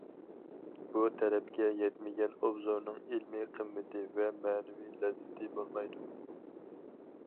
بۇ تەلەپكە يەتمىگەن ئوبزورنىڭ ئىلمىي قىممىتى ۋە مەنىۋى لەززىتى بولمايدۇ.